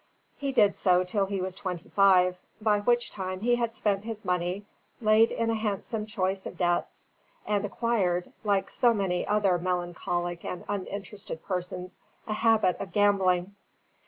He did so till he was twenty five; by which time he had spent his money, laid in a handsome choice of debts, and acquired (like so many other melancholic and uninterested persons) a habit of gambling.